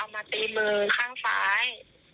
เอามาตีมือข้างฝน